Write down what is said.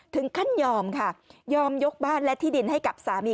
ถึงขั้นยอมค่ะยอมยกบ้านและที่ดินให้กับสามี